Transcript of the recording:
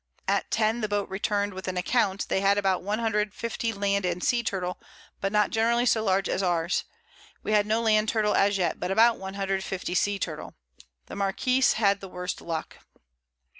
At 10 the Boat return'd with an Account they had about 150 Land and Sea Turtle, but not generally so large as ours: We had no Land Turtle as yet, but about 150 Sea Turtle; the Marquiss had the worst Luck.